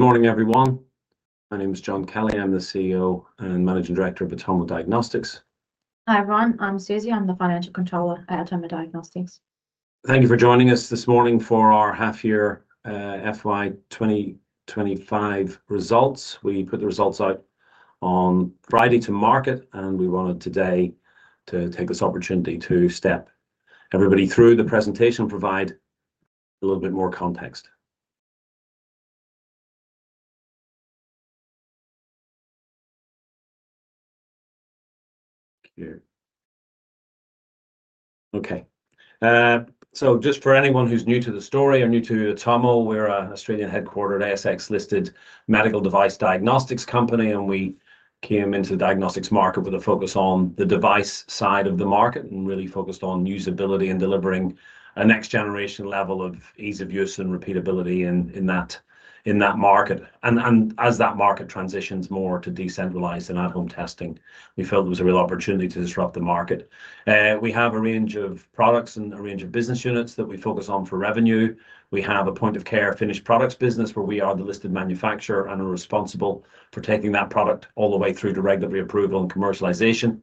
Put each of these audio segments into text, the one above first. Good morning, everyone. My name is John Kelly. I'm the CEO and Managing Director of Atomo Diagnostics. Hi, everyone. I'm Suzy. I'm the Financial Controller at Atomo Diagnostics. Thank you for joining us this morning for our half-year FY 2025 results. We put the results out on Friday to market, and we wanted today to take this opportunity to step everybody through the presentation and provide a little bit more context. Okay. Just for anyone who's new to the story or new to Atomo, we're an Australian-headquartered, ASX-listed medical device diagnostics company, and we came into the diagnostics market with a focus on the device side of the market and really focused on usability and delivering a next-generation level of ease of use and repeatability in that market. As that market transitions more to decentralized and at-home testing, we felt there was a real opportunity to disrupt the market. We have a range of products and a range of business units that we focus on for revenue. We have a point-of-care finished products business where we are the listed manufacturer and are responsible for taking that product all the way through to regulatory approval and commercialization.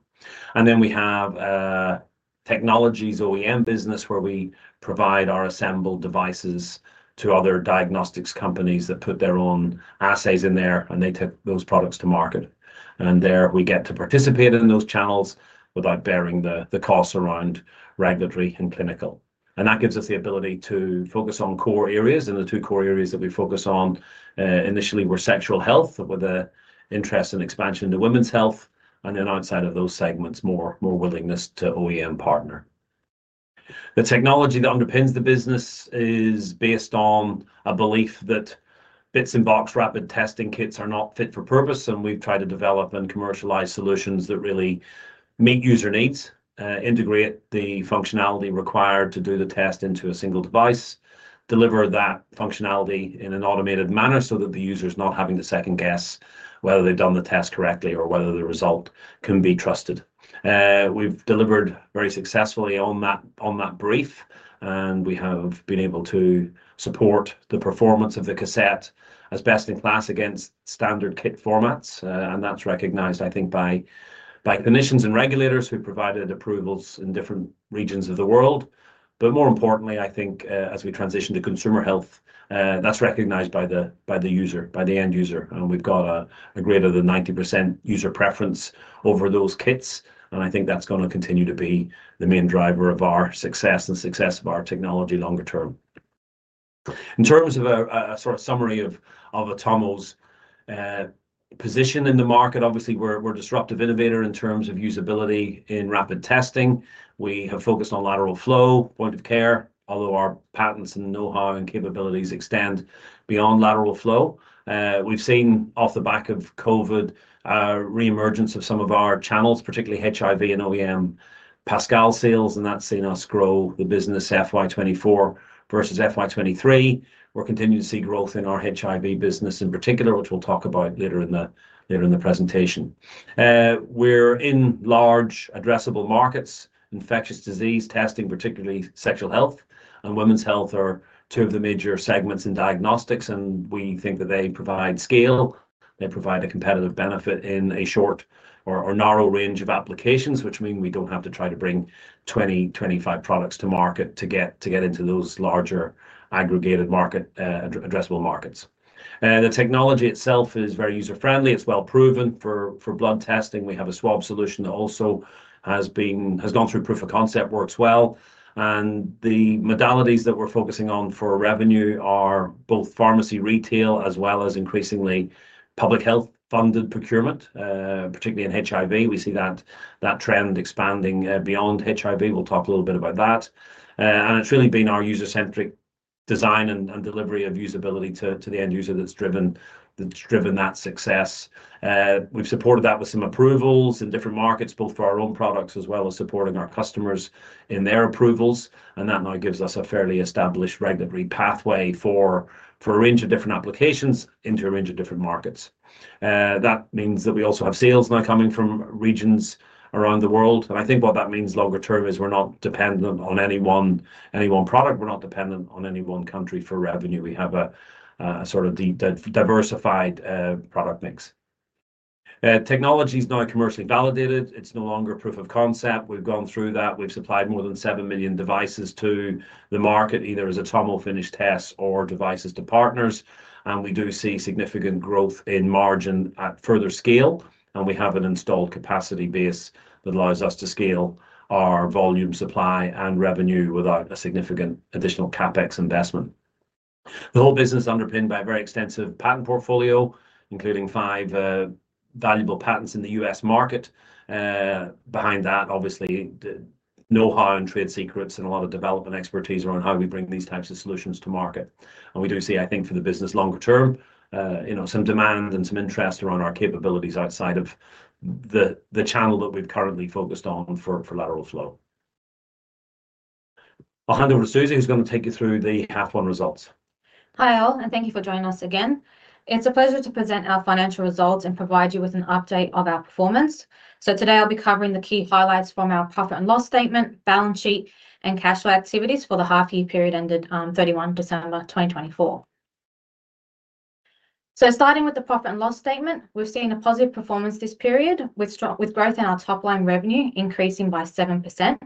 We have a technologies OEM business where we provide our assembled devices to other diagnostics companies that put their own assays in there, and they take those products to market. There we get to participate in those channels without bearing the costs around regulatory and clinical. That gives us the ability to focus on core areas. The two core areas that we focus on initially were sexual health with an interest in expansion to women's health, and then outside of those segments, more willingness to OEM partner. The technology that underpins the business is based on a belief that bits-in-box rapid testing kits are not fit for purpose, and we've tried to develop and commercialize solutions that really meet user needs, integrate the functionality required to do the test into a single device, deliver that functionality in an automated manner so that the user is not having to second-guess whether they've done the test correctly or whether the result can be trusted. We've delivered very successfully on that brief, and we have been able to support the performance of the cassette as best in class against standard kit formats. That is recognized, I think, by clinicians and regulators who provided approvals in different regions of the world. More importantly, I think as we transition to consumer health, that is recognized by the user, by the end user. We have got a greater than 90% user preference over those kits. I think that is going to continue to be the main driver of our success and success of our technology longer term. In terms of a sort of summary of Atomo's position in the market, obviously, we are a disruptive innovator in terms of usability in rapid testing. We have focused on lateral flow, point of care, although our patents and know-how and capabilities extend beyond lateral flow. We have seen off the back of COVID, reemergence of some of our channels, particularly HIV and OEM Pascal sales, and that has seen us grow the business FY 2024 versus FY 2023. We are continuing to see growth in our HIV business in particular, which we will talk about later in the presentation. We're in large addressable markets, infectious disease testing, particularly sexual health and women's health are two of the major segments in diagnostics, and we think that they provide scale. They provide a competitive benefit in a short or narrow range of applications, which means we don't have to try to bring 20-25 products to market to get into those larger aggregated market addressable markets. The technology itself is very user-friendly. It's well proven for blood testing. We have a swab solution that also has gone through proof of concept, works well. The modalities that we're focusing on for revenue are both pharmacy retail as well as increasingly public health funded procurement, particularly in HIV. We see that trend expanding beyond HIV. We'll talk a little bit about that. It's really been our user-centric design and delivery of usability to the end user that's driven that success. We've supported that with some approvals in different markets, both for our own products as well as supporting our customers in their approvals. That now gives us a fairly established regulatory pathway for a range of different applications into a range of different markets. That means that we also have sales now coming from regions around the world. I think what that means longer term is we're not dependent on any one product. We're not dependent on any one country for revenue. We have a sort of diversified product mix. Technology is now commercially validated. It's no longer proof of concept. We've gone through that. We've supplied more than 7 million devices to the market, either as Atomo finished tests or devices to partners. We do see significant growth in margin at further scale. We have an installed capacity base that allows us to scale our volume supply and revenue without a significant additional CapEx investment. The whole business is underpinned by a very extensive patent portfolio, including five valuable patents in the U.S. market. Behind that, obviously, know-how and trade secrets and a lot of development expertise around how we bring these types of solutions to market. We do see, I think, for the business longer term, some demand and some interest around our capabilities outside of the channel that we've currently focused on for lateral flow. I'll hand over to Suzy, who's going to take you through the half-one results. Hi all, and thank you for joining us again. It's a pleasure to present our financial results and provide you with an update of our performance. Today I'll be covering the key highlights from our profit and loss statement, balance sheet, and cash flow activities for the half-year period ended 31 December 2024. Starting with the profit and loss statement, we've seen a positive performance this period with growth in our top-line revenue increasing by 7%,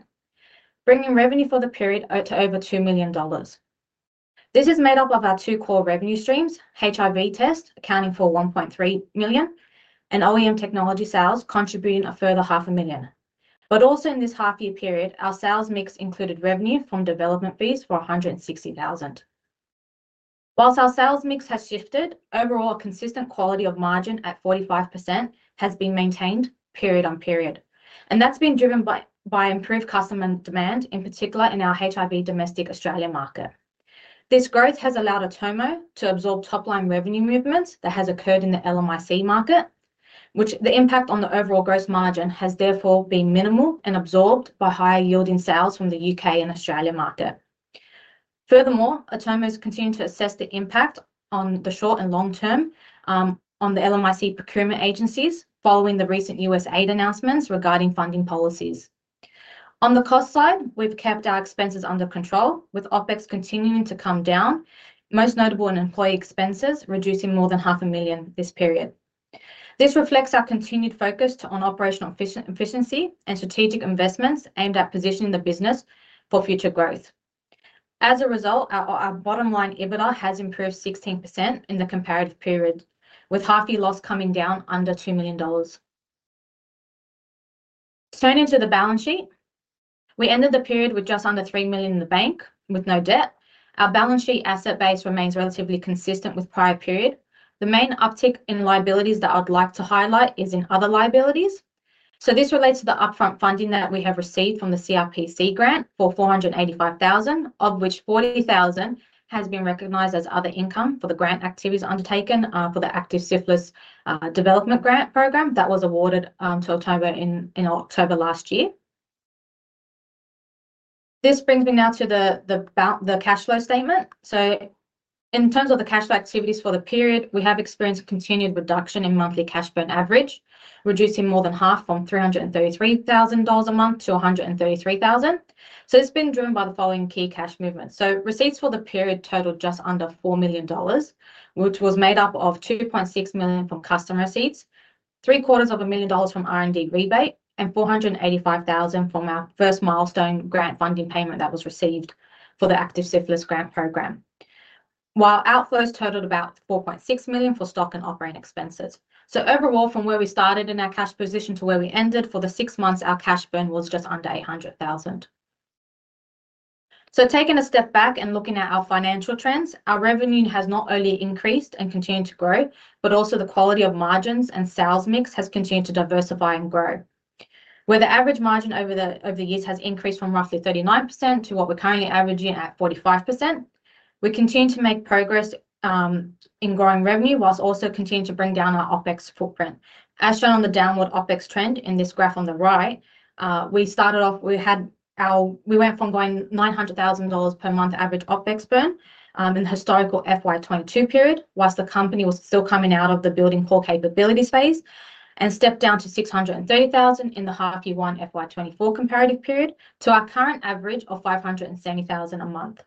bringing revenue for the period to over 2 million dollars. This is made up of our two core revenue streams, HIV self-test accounting for 1.3 million, and OEM technology sales contributing a further 500,000. Also in this half-year period, our sales mix included revenue from development fees for 160,000. Whilst our sales mix has shifted, overall consistent quality of margin at 45% has been maintained period on period. That has been driven by improved customer demand, in particular in our HIV domestic Australia market. This growth has allowed Atomo to absorb top-line revenue movements that have occurred in the LMIC market, which the impact on the overall gross margin has therefore been minimal and absorbed by higher yielding sales from the U.K. and Australia market. Furthermore, Atomo has continued to assess the impact on the short and long term on the LMIC procurement agencies following the recent USAID announcements regarding funding policies. On the cost side, we've kept our expenses under control with OpEx continuing to come down, most notable in employee expenses reducing more than 500,000 this period. This reflects our continued focus on operational efficiency and strategic investments aimed at positioning the business for future growth. As a result, our bottom-line EBITDA has improved 16% in the comparative period, with half-year loss coming down under 2 million dollars. Turning to the balance sheet, we ended the period with just under 3 million in the bank with no debt. Our balance sheet asset base remains relatively consistent with prior period. The main uptick in liabilities that I'd like to highlight is in other liabilities. This relates to the upfront funding that we have received from the CRPC Grant for 485,000, of which 40,000 has been recognized as other income for the grant activities undertaken for the active syphilis development grant program that was awarded to Atomo in October last year. This brings me now to the cash flow statement. In terms of the cash flow activities for the period, we have experienced a continued reduction in monthly cash burn average, reducing more than half from 333,000 dollars a month to 133,000. It has been driven by the following key cash movements. Receipts for the period totaled just under 4 million dollars, which was made up of 2.6 million from customer receipts, 750,000 dollars from R&D rebate, and 485,000 from our first milestone grant funding payment that was received for the active syphilis grant program, while outflows totaled about 4.6 million for stock and operating expenses. Overall, from where we started in our cash position to where we ended for the six months, our cash burn was just under 800,000. Taking a step back and looking at our financial trends, our revenue has not only increased and continued to grow, but also the quality of margins and sales mix has continued to diversify and grow. Where the average margin over the years has increased from roughly 39% to what we are currently averaging at 45%, we continue to make progress in growing revenue whilst also continuing to bring down our OpEx footprint. As shown on the downward OpEx trend in this graph on the right, we started off, we went from going 900,000 dollars per month average OpEx burn in the historical FY 2022 period, whilst the company was still coming out of the building core capability space, and stepped down to 630,000 in the half-year one FY 2024 comparative period to our current average of 570,000 a month.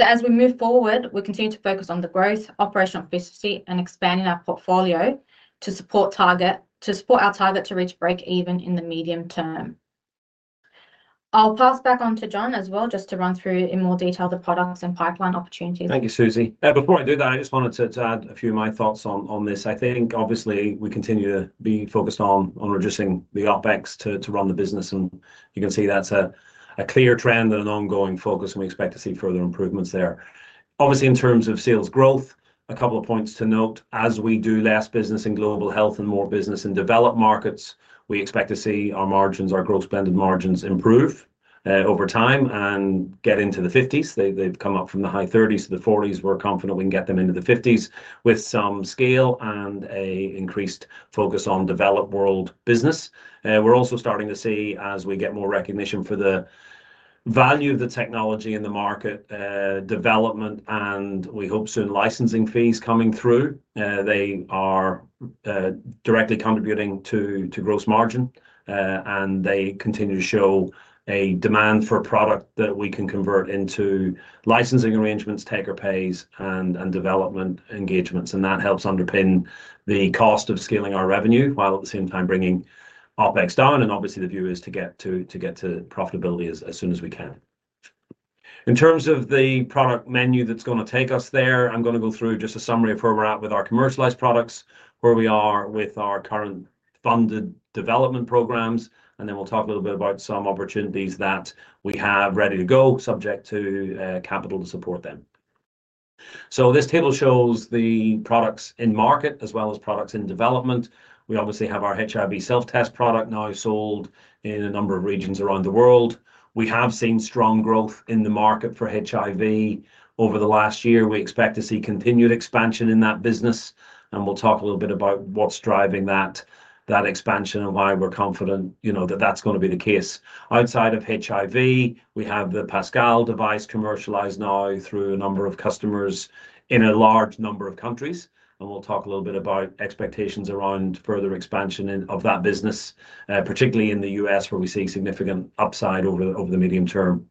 As we move forward, we continue to focus on the growth, operational efficiency, and expanding our portfolio to support our target to reach break-even in the medium term. I'll pass back on to John as well just to run through in more detail the products and pipeline opportunities. Thank you, Suzy. Before I do that, I just wanted to add a few of my thoughts on this. I think obviously we continue to be focused on reducing the OpEx to run the business. You can see that's a clear trend and an ongoing focus, and we expect to see further improvements there. Obviously, in terms of sales growth, a couple of points to note. As we do less business in global health and more business in developed markets, we expect to see our margins, our gross spending margins improve over time and get into the 50s. They've come up from the high 30s to the 40s. We're confident we can get them into the 50s with some scale and an increased focus on developed world business. We're also starting to see, as we get more recognition for the value of the technology in the market development and we hope soon licensing fees coming through, they are directly contributing to gross margin. They continue to show a demand for a product that we can convert into licensing arrangements, take-or-pays, and development engagements. That helps underpin the cost of scaling our revenue while at the same time bringing OpEx down. Obviously, the view is to get to profitability as soon as we can. In terms of the product menu that's going to take us there, I'm going to go through just a summary of where we're at with our commercialized products, where we are with our current funded development programs, and then we'll talk a little bit about some opportunities that we have ready to go, subject to capital to support them. This table shows the products in market as well as products in development. We obviously have our HIV self-test product now sold in a number of regions around the world. We have seen strong growth in the market for HIV over the last year. We expect to see continued expansion in that business. We will talk a little bit about what is driving that expansion and why we are confident that that is going to be the case. Outside of HIV, we have the Pascal device commercialized now through a number of customers in a large number of countries. We will talk a little bit about expectations around further expansion of that business, particularly in the U.S., where we see significant upside over the medium term.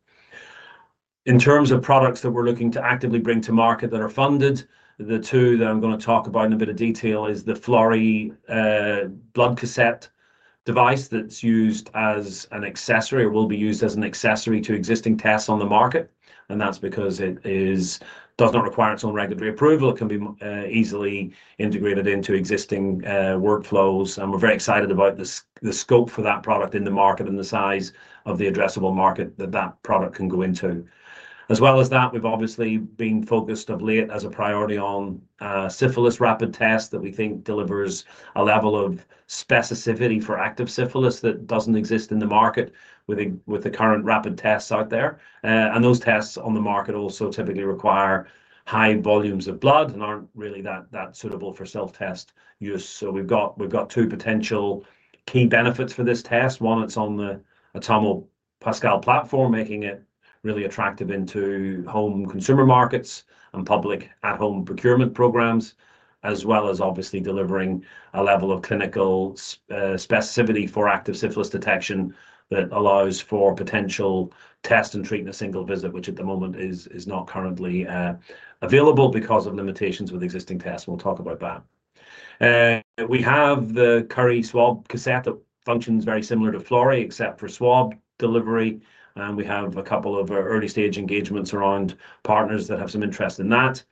In terms of products that we're looking to actively bring to market that are funded, the two that I'm going to talk about in a bit of detail is the Florey blood cassette device that's used as an accessory or will be used as an accessory to existing tests on the market. That is because it does not require its own regulatory approval. It can be easily integrated into existing workflows. We're very excited about the scope for that product in the market and the size of the addressable market that that product can go into. As well as that, we've obviously been focused of late as a priority on syphilis rapid test that we think delivers a level of specificity for active syphilis that doesn't exist in the market with the current rapid tests out there. Those tests on the market also typically require high volumes of blood and are not really that suitable for self-test use. We have two potential key benefits for this test. One, it is on the Atomo Pascal platform, making it really attractive into home consumer markets and public at-home procurement programs, as well as obviously delivering a level of clinical specificity for active syphilis detection that allows for potential test and treatment single visit, which at the moment is not currently available because of limitations with existing tests. We will talk about that. We have the Curie swab cassette that functions very similar to Florey, except for swab delivery. We have a couple of early-stage engagements around partners that have some interest in that.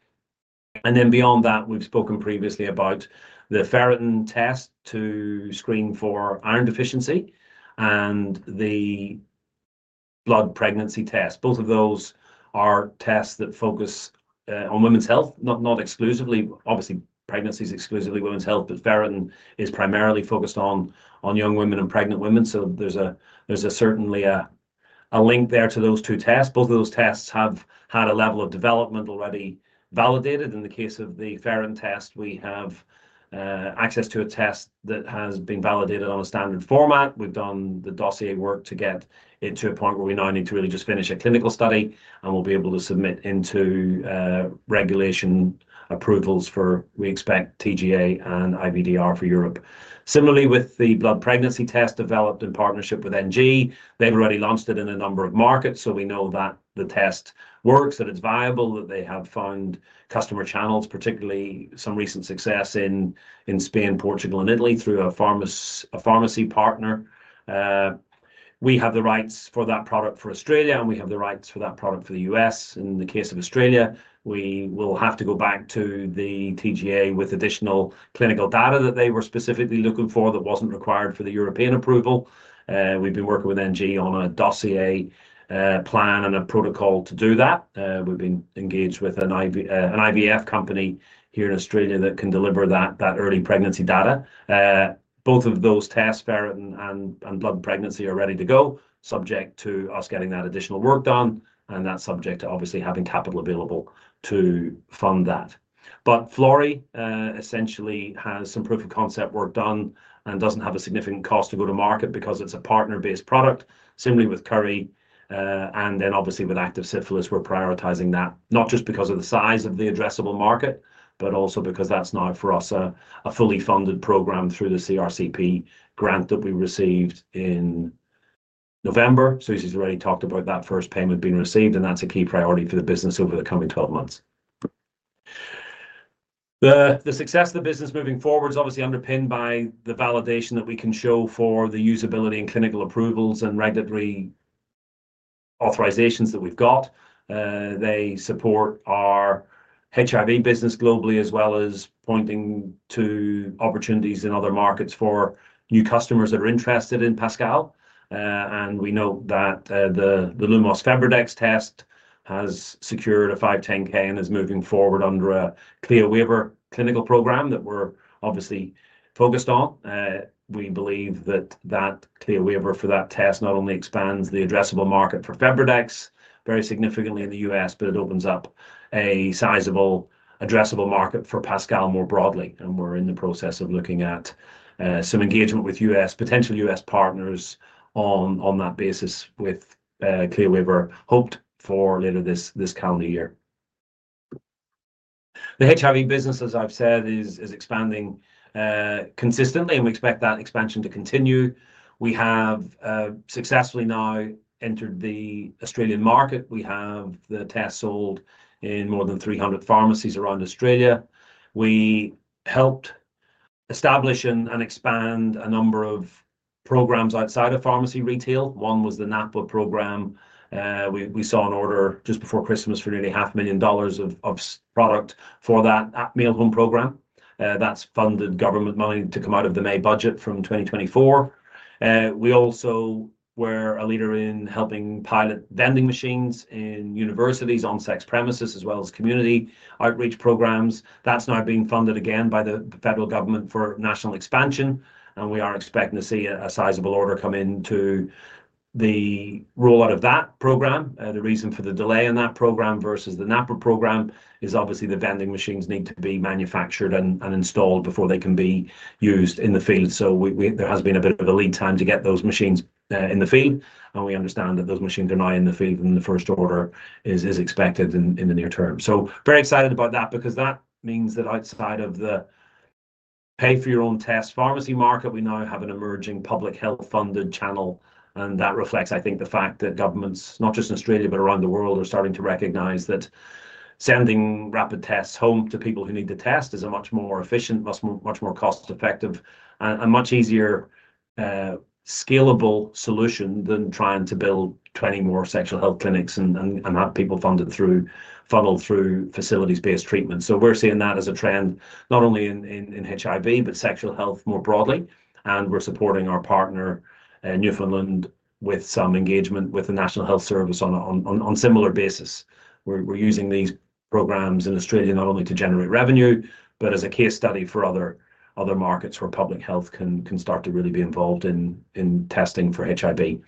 Beyond that, we have spoken previously about the ferritin test to screen for iron deficiency and the blood pregnancy test. Both of those are tests that focus on women's health, not exclusively. Obviously, pregnancy is exclusively women's health, but ferritin is primarily focused on young women and pregnant women. There is certainly a link there to those two tests. Both of those tests have had a level of development already validated. In the case of the ferritin test, we have access to a test that has been validated on a standard format. We have done the dossier work to get it to a point where we now need to really just finish a clinical study, and we will be able to submit into regulation approvals for, we expect, TGA and IVDR for Europe. Similarly, with the blood pregnancy test developed in partnership with NG, they have already launched it in a number of markets. We know that the test works, that it's viable, that they have found customer channels, particularly some recent success in Spain, Portugal, and Italy through a pharmacy partner. We have the rights for that product for Australia, and we have the rights for that product for the U.S. In the case of Australia, we will have to go back to the TGA with additional clinical data that they were specifically looking for that was not required for the European approval. We've been working with NG on a dossier plan and a protocol to do that. We've been engaged with an IVF company here in Australia that can deliver that early pregnancy data. Both of those tests, ferritin and blood pregnancy, are ready to go, subject to us getting that additional work done, and that's subject to obviously having capital available to fund that. Florey essentially has some proof of concept work done and does not have a significant cost to go to market because it is a partner-based product. Similarly, with Curie, and then obviously with active syphilis, we are prioritizing that, not just because of the size of the addressable market, but also because that is now for us a fully funded program through the CRCP Grant that we received in November. Suzy has already talked about that first payment being received, and that is a key priority for the business over the coming 12 months. The success of the business moving forward is obviously underpinned by the validation that we can show for the usability and clinical approvals and regulatory authorizations that we have got. They support our HIV business globally, as well as pointing to opportunities in other markets for new customers that are interested in Pascal. We know that the Lumos FebriDx test has secured a 510(k) and is moving forward under a CLIA waiver clinical program that we're obviously focused on. We believe that that CLIA waiver for that test not only expands the addressable market for FebriDX very significantly in the U.S., but it opens up a sizable addressable market for Pascal more broadly. We're in the process of looking at some engagement with potential U.S. partners on that basis with CLIA waiver hoped for later this calendar year. The HIV business, as I've said, is expanding consistently, and we expect that expansion to continue. We have successfully now entered the Australian market. We have the test sold in more than 300 pharmacies around Australia. We helped establish and expand a number of programs outside of pharmacy retail. One was the NAPWHA program. We saw an order just before Christmas for nearly 500,000 dollars of product for that at-home program. That is funded government money to come out of the May budget from 2024. We also were a leader in helping pilot vending machines in universities, on sex premises, as well as community outreach programs. That is now being funded again by the federal government for national expansion. We are expecting to see a sizable order come in to the rollout of that program. The reason for the delay in that program versus the NAPHWA program is obviously the vending machines need to be manufactured and installed before they can be used in the field. There has been a bit of a lead time to get those machines in the field. We understand that those machines are now in the field, and the first order is expected in the near term. Very excited about that because that means that outside of the pay-for-your-own-test pharmacy market, we now have an emerging public health funded channel. That reflects, I think, the fact that governments, not just in Australia, but around the world, are starting to recognize that sending rapid tests home to people who need to test is a much more efficient, much more cost-effective, and much easier scalable solution than trying to build 20 more sexual health clinics and have people funded through facilities-based treatment. We are seeing that as a trend, not only in HIV, but sexual health more broadly. We are supporting our partner, Newfoundland, with some engagement with the National Health Service on a similar basis. We're using these programs in Australia not only to generate revenue, but as a case study for other markets where public health can start to really be involved in testing for HIV.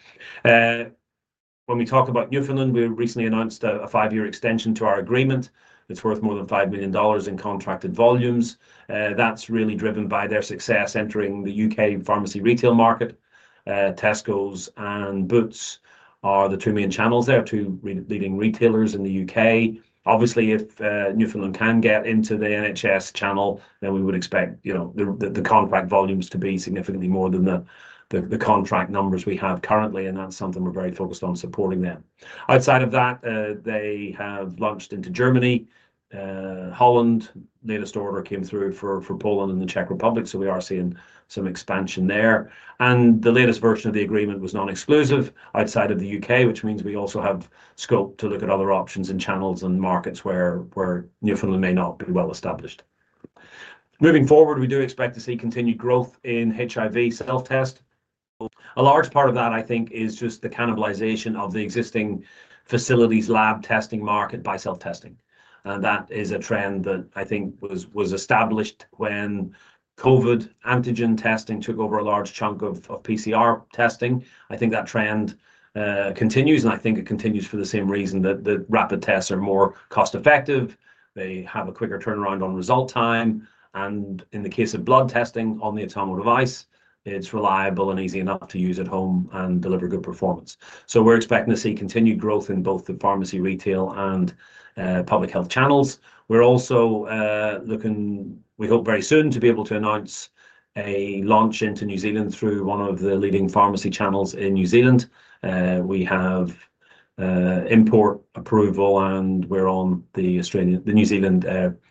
When we talk about Newfoundland, we recently announced a five-year extension to our agreement. It's worth more than 5 million dollars in contracted volumes. That's really driven by their success entering the U.K. pharmacy retail market. Tesco and Boots are the two main channels there, two leading retailers in the U.K. Obviously, if Newfoundland can get into the NHS channel, then we would expect the contract volumes to be significantly more than the contract numbers we have currently. That's something we're very focused on supporting them. Outside of that, they have launched into Germany and Holland. Latest order came through for Poland and the Czech Republic. We are seeing some expansion there. The latest version of the agreement was non-exclusive outside of the U.K., which means we also have scope to look at other options and channels and markets where Newfoundland may not be well established. Moving forward, we do expect to see continued growth in HIV self-test. A large part of that, I think, is just the cannibalization of the existing facilities lab testing market by self-testing. That is a trend that I think was established when COVID antigen testing took over a large chunk of PCR testing. I think that trend continues, and I think it continues for the same reason that rapid tests are more cost-effective. They have a quicker turnaround on result time. In the case of blood testing on the Atomo device, it's reliable and easy enough to use at home and deliver good performance. We're expecting to see continued growth in both the pharmacy retail and public health channels. We're also looking, we hope very soon, to be able to announce a launch into New Zealand through one of the leading pharmacy channels in New Zealand. We have import approval, and we're on the New Zealand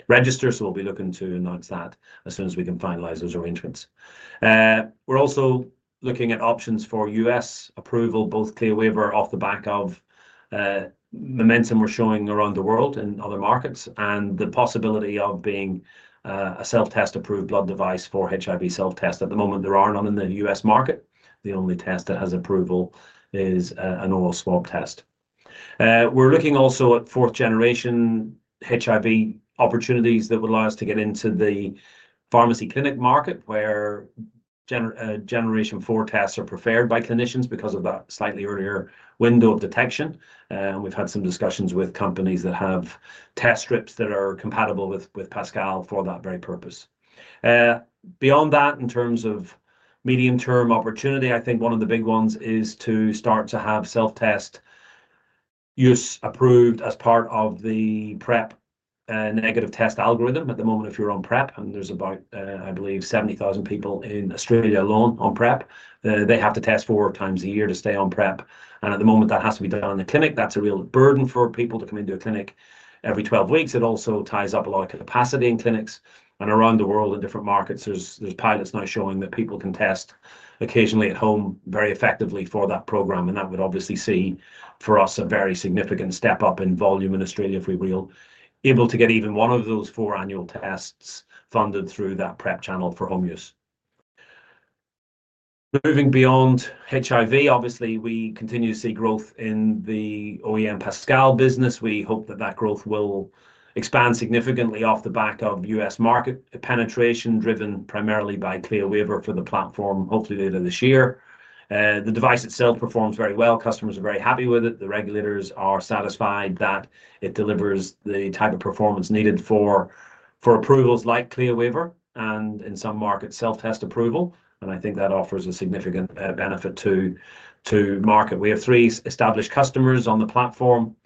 register. We'll be looking to announce that as soon as we can finalize those arrangements. We're also looking at options for U.S. approval, both CLIA waiver off the back of momentum we're showing around the world in other markets, and the possibility of being a self-test approved blood device for HIV self-test. At the moment, there are none in the U.S. market. The only test that has approval is an oral swab test. We're looking also at fourth-generation HIV opportunities that would allow us to get into the pharmacy clinic market, where generation four tests are preferred by clinicians because of that slightly earlier window of detection. We've had some discussions with companies that have test strips that are compatible with Pascal for that very purpose. Beyond that, in terms of medium-term opportunity, I think one of the big ones is to start to have self-test use approved as part of the PrEP negative test algorithm. At the moment, if you're on PrEP, and there's about, I believe, 70,000 people in Australia alone on PrEP, they have to test four times a year to stay on PrEP. At the moment, that has to be done in the clinic. That's a real burden for people to come into a clinic every 12 weeks. It also ties up a lot of capacity in clinics. Around the world, in different markets, there are pilots now showing that people can test occasionally at home very effectively for that program. That would obviously see for us a very significant step up in volume in Australia if we were able to get even one of those four annual tests funded through that PrEP channel for home use. Moving beyond HIV, obviously, we continue to see growth in the OEM Pascal business. We hope that that growth will expand significantly off the back of U.S. market penetration driven primarily by CLIA waiver for the platform, hopefully later this year. The device itself performs very well. Customers are very happy with it. The regulators are satisfied that it delivers the type of performance needed for approvals like CLIA waiver and in some markets, self-test approval. I think that offers a significant benefit to market. We have three established customers on the platform.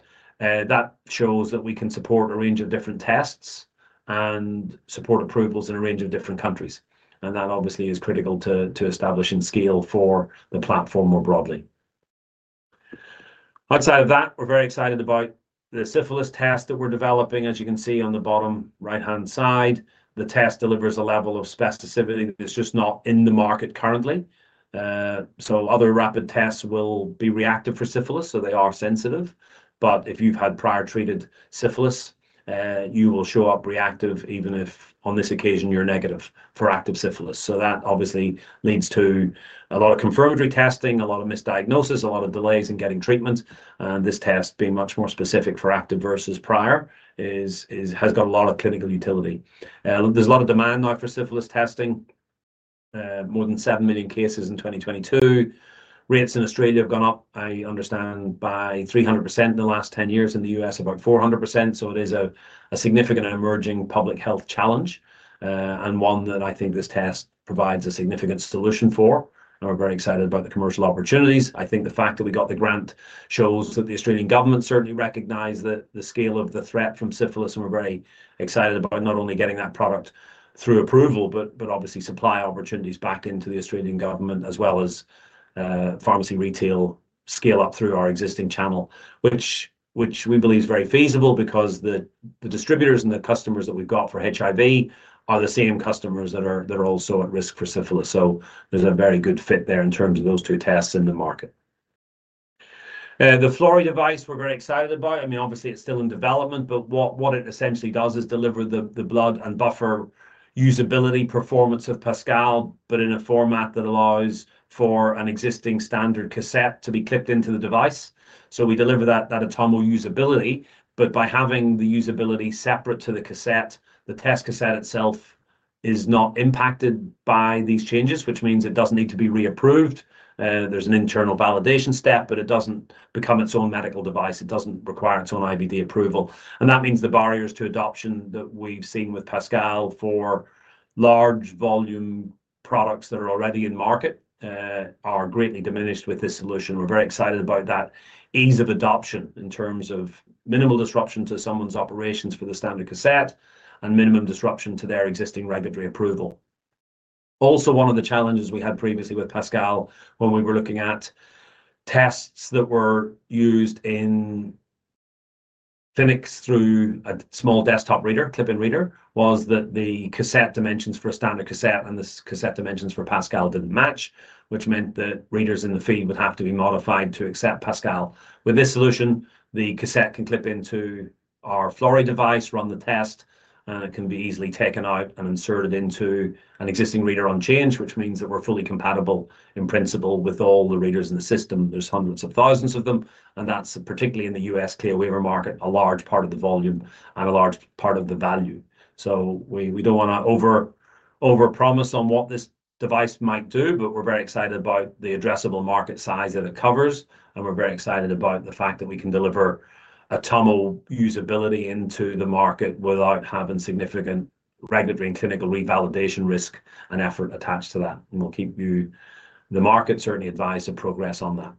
That shows that we can support a range of different tests and support approvals in a range of different countries. That obviously is critical to establishing scale for the platform more broadly. Outside of that, we're very excited about the syphilis test that we're developing. As you can see on the bottom right-hand side, the test delivers a level of specificity that's just not in the market currently. Other rapid tests will be reactive for syphilis, so they are sensitive. If you've had prior treated syphilis, you will show up reactive even if, on this occasion, you're negative for active syphilis. That obviously leads to a lot of confirmatory testing, a lot of misdiagnosis, a lot of delays in getting treatment. This test being much more specific for active versus prior has got a lot of clinical utility. There is a lot of demand now for syphilis testing. More than 7 million cases in 2022. Rates in Australia have gone up, I understand, by 300% in the last 10 years, in the U.S. about 400%. It is a significant and emerging public health challenge and one that I think this test provides a significant solution for. We are very excited about the commercial opportunities. I think the fact that we got the Grant shows that the Australian government certainly recognized the scale of the threat from syphilis. We're very excited about not only getting that product through approval, but obviously supply opportunities back into the Australian government, as well as pharmacy retail scale up through our existing channel, which we believe is very feasible because the distributors and the customers that we've got for HIV are the same customers that are also at risk for syphilis. There is a very good fit there in terms of those two tests in the market. The Florey device, we're very excited about. I mean, obviously, it's still in development, but what it essentially does is deliver the blood and buffer usability performance of Pascal, but in a format that allows for an existing standard cassette to be clipped into the device. We deliver that Atomo usability. By having the usability separate to the cassette, the test cassette itself is not impacted by these changes, which means it does not need to be reapproved. There is an internal validation step, but it does not become its own medical device. It does not require its own IVD approval. That means the barriers to adoption that we have seen with Pascal for large volume products that are already in market are greatly diminished with this solution. We are very excited about that ease of adoption in terms of minimal disruption to someone's operations for the standard cassette and minimum disruption to their existing regulatory approval. Also, one of the challenges we had previously with Pascal when we were looking at tests that were used in clinics through a small desktop reader, clip-in reader, was that the cassette dimensions for a standard cassette and the cassette dimensions for Pascal did not match, which meant that readers in the field would have to be modified to accept Pascal. With this solution, the cassette can clip into our Florey device, run the test, and it can be easily taken out and inserted into an existing reader on change, which means that we are fully compatible in principle with all the readers in the system. There are hundreds of thousands of them. That is particularly in the U.S. CLIA waiver market, a large part of the volume and a large part of the value. We do not want to overpromise on what this device might do, but we are very excited about the addressable market size that it covers. We are very excited about the fact that we can deliver Atomo usability into the market without having significant regulatory and clinical revalidation risk and effort attached to that. We will keep you, the market, certainly advised of progress on that.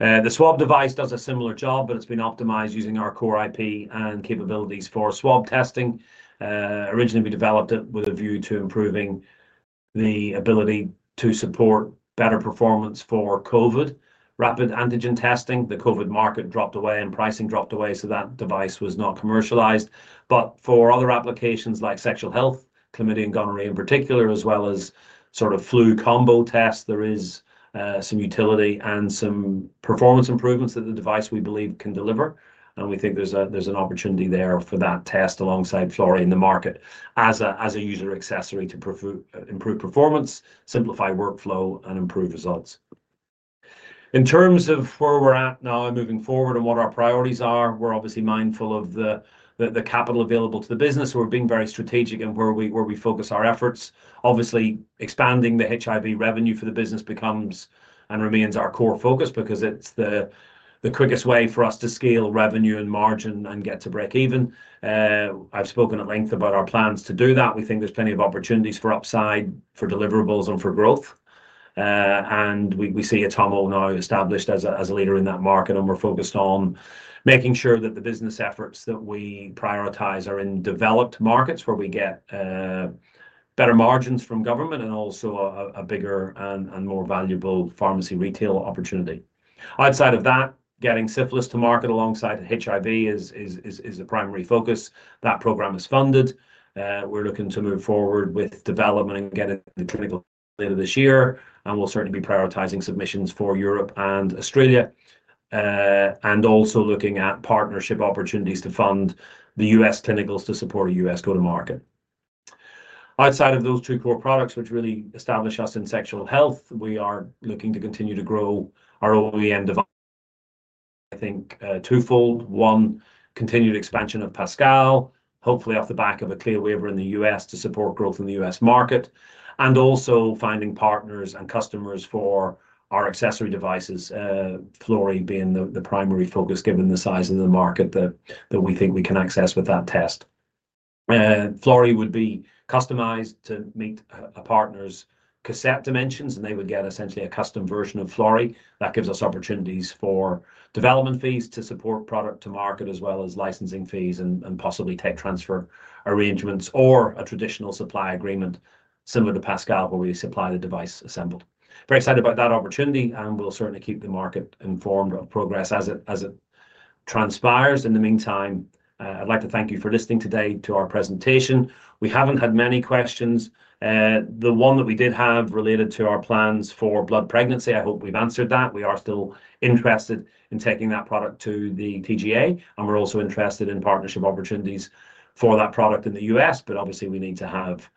The swab device does a similar job, but it has been optimized using our core IP and capabilities for swab testing. Originally, we developed it with a view to improving the ability to support better performance for COVID rapid antigen testing. The COVID market dropped away and pricing dropped away, so that device was not commercialized. For other applications like sexual health, chlamydia and gonorrhea in particular, as well as sort of flu combo tests, there is some utility and some performance improvements that the device we believe can deliver. We think there's an opportunity there for that test alongside Florey in the market as a user accessory to improve performance, simplify workflow, and improve results. In terms of where we're at now and moving forward and what our priorities are, we're obviously mindful of the capital available to the business. We're being very strategic in where we focus our efforts. Obviously, expanding the HIV revenue for the business becomes and remains our core focus because it's the quickest way for us to scale revenue and margin and get to break even. I've spoken at length about our plans to do that. We think there's plenty of opportunities for upside, for deliverables, and for growth. We see Atomo now established as a leader in that market. We're focused on making sure that the business efforts that we prioritize are in developed markets where we get better margins from government and also a bigger and more valuable pharmacy retail opportunity. Outside of that, getting syphilis to market alongside HIV is a primary focus. That program is funded. We're looking to move forward with development and get it into clinical data this year. We'll certainly be prioritizing submissions for Europe and Australia and also looking at partnership opportunities to fund the U.S. clinicals to support a U.S. go-to-market. Outside of those two core products, which really establish us in sexual health, we are looking to continue to grow our OEM device. I think twofold. One, continued expansion of Pascal, hopefully off the back of a CLIA waiver in the U.S. to support growth in the U.S. market, and also finding partners and customers for our accessory devices, Florey being the primary focus given the size of the market that we think we can access with that test. Florey would be customized to meet a partner's cassette dimensions, and they would get essentially a custom version of Florey. That gives us opportunities for development fees to support product to market, as well as licensing fees and possibly tech transfer arrangements or a traditional supply agreement similar to Pascal where we supply the device assembled. Very excited about that opportunity, and we'll certainly keep the market informed of progress as it transpires. In the meantime, I'd like to thank you for listening today to our presentation. We haven't had many questions. The one that we did have related to our plans for blood pregnancy, I hope we've answered that. We are still interested in taking that product to the TGA, and we're also interested in partnership opportunities for that product in the U.S. Obviously, we need to have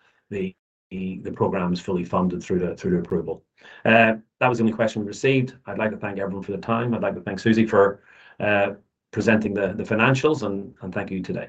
the programs fully funded through the approval. That was the only question we received. I'd like to thank everyone for the time. I'd like to thank Suzy for presenting the financials, and thank you to the.